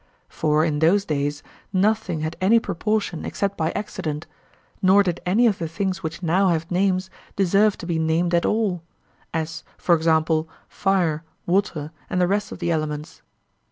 For in those days nothing had any proportion except by accident; nor did any of the things which now have names deserve to be named at all—as, for example, fire, water, and the rest of the elements.